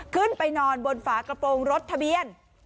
ขึ้นไปนอนบนฝากระโปรงรถทะเบียน